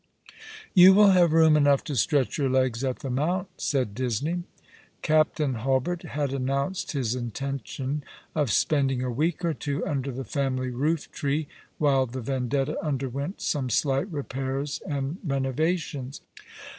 " You will ha"ve room enough to stretch your legs at the Mount," said Disney. Captain Hulbert had announced his intention of spending a week or two under the family roof tree while the YendeUa, underwent some slight repairs and renovations.